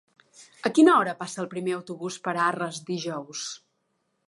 A quina hora passa el primer autobús per Arres dijous?